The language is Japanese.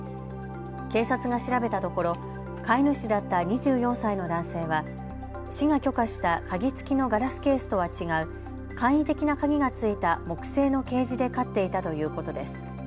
警察が調べたところ、飼い主だった２４歳の男性は市が許可した鍵つきのガラスケースとは違う簡易的な鍵がついた木製のケージで飼っていたということです。